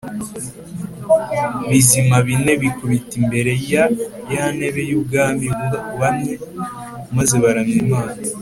Bizima bine bikubita imbere ya ya ntebe y ubwami bubamye maze baramya imana